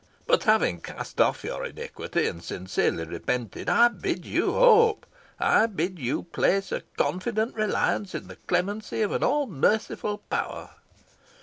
But having cast off your iniquity, and sincerely repented, I bid you hope I bid you place a confident reliance in the clemency of an all merciful power."